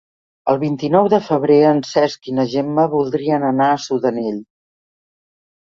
El vint-i-nou de febrer en Cesc i na Gemma voldrien anar a Sudanell.